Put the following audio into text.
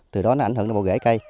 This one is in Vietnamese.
từ đó nó ảnh hưởng đến bộ gãy cây